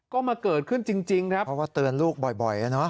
ก็มาเกิดขึ้นจริงจริงครับเพราะว่าเตือนลูกบ่อยบ่อยอ่ะเนอะ